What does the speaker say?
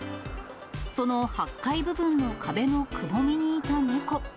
その８階部分の壁のくぼみにいた猫。